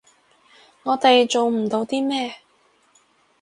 我哋做唔到啲咩